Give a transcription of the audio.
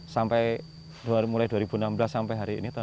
sampai mulai dua ribu enam belas sampai dua ribu dua puluh